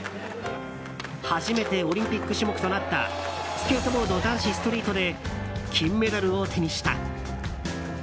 初めてオリンピック種目となったスケートボード男子ストリートで金メダルを手にした。